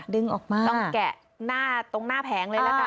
ต้องแกะตรงหน้าแผงเลยละกัน